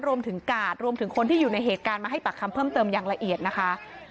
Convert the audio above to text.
รวมถึงกาดรวมถึงคนที่อยู่ในเหตุการณ์มาให้ปากคำเพิ่มเติมอย่างละเอียดนะคะ